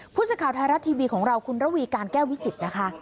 ผู้สื่อข่าวไทยรัฐทีวีของเราคุณระวีการแก้ววิจิตรนะคะ